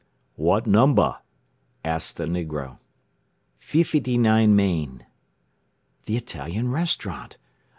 "What numbah?" asked the negro. "Feefity nine Main." The Italian restaurant!